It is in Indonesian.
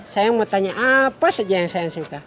sayang mau tanya apa saja yang sayang suka